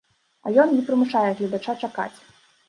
А ён не прымушае гледача чакаць!